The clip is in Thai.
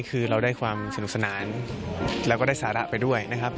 คือเราได้ความสนุกสนานแล้วก็ได้สาระไปด้วยนะครับ